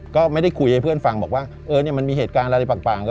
ก็ไม่ได้คุยให้เพื่อนฟังบอกว่ามันมีเหตุการณ์อะไรต่าง